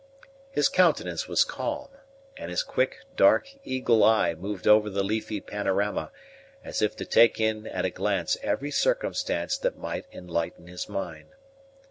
His countenance was calm, and his quick, dark, eagle eye moved over the leafy panorama, as if to take in at a glance every circumstance that might enlighten his mind.